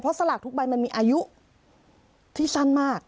สลากทุกใบมันมีอายุที่สั้นมาก